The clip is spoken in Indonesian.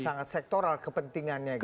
sangat sektoral kepentingannya gitu